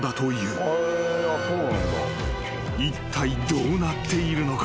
［いったいどうなっているのか？］